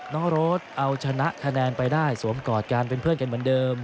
น้องโรดเอาชนะคะแนนไปได้สวมกอดกันเป็นเพื่อนกันเหมือนเดิม